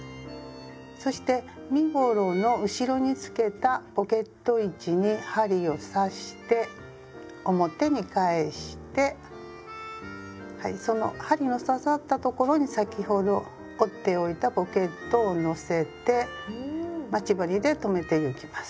そして身ごろの後ろにつけたポケット位置に針を刺して表に返してはいその針の刺さった所に先ほど折っておいたポケットを載せて待ち針で留めてゆきます。